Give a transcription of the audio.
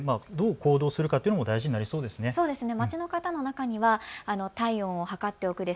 そしてどう行動するかというのも大事になりそうですね。